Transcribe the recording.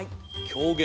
狂言。